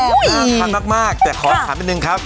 อ่าค่ะนักมากแต่ขอถามนิดหนึ่งครับ